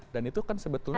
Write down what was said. dan itu kan sebetulnya